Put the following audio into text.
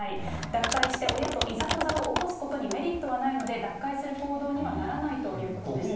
脱会して親といざこざを起こすことにメリットはないので、脱会する行動にはならないということです。